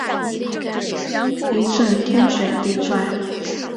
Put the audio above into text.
一阵天旋地转